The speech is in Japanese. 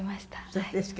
そうですか。